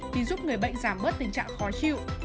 vì giúp người bệnh giảm bớt tình trạng khói